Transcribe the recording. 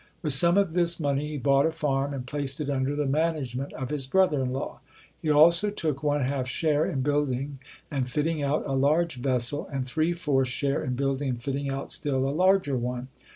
With some of this money he bought a farm and placed it under the management of his broth er in law. He also took one half share in building and fitting out a large vessel, and three fourths' share in building and fitting out still a larger one.